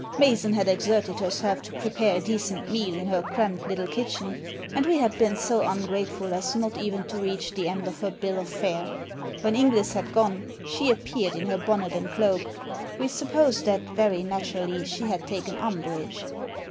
Mason had exerted herself to prepare a decent meal in her cramped little kitchen, and we had been so ungrateful as not even to reach the end of her bill of fare. When Inglis had gone she appeared in her bonnet and cloak. We supposed that, very naturally, she had taken umbrage.